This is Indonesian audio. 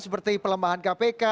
seperti pelemahan kpk